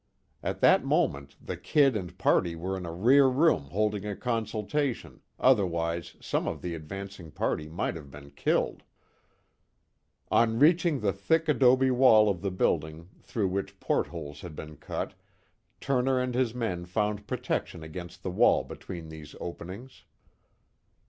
At that moment the "Kid" and party were in a rear room holding a consultation, otherwise some of the advancing party might have been killed. On reaching the thick adobe wall of the building, through which portholes had been cut, Turner and his men found protection against the wall between these openings.